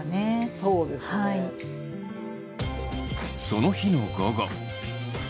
その日の午後。